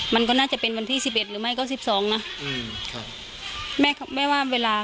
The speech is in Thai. มันก็น่าจะเป็นวันที่๑๑หรือไม่ก็๑๒นะ